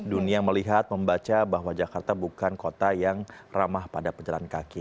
dunia melihat membaca bahwa jakarta bukan kota yang ramah pada pejalan kaki